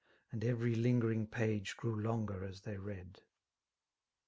And every lingering page grew longer as they read.